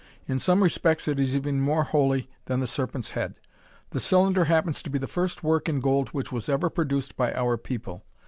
In some respects it is even more holy than the Serpent's head. The cylinder happens to be the first work in gold which was ever produced by our people.